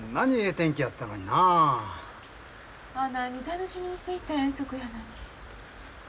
あないに楽しみにして行った遠足やのに。